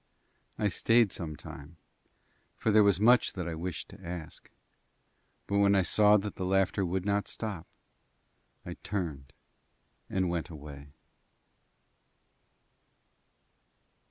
I stayed some time, for there was much that I wished to ask, but when I saw that the laughter would not stop I turned and went away.